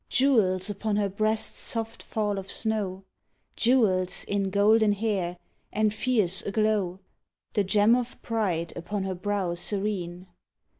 Jewels upon her breast's soft fall of snow, Jewels in golden hair and fierce aglow, The gem of pride upon her brow serene!